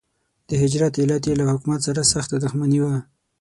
د هجرت علت یې له حکومت سره سخته دښمني وه.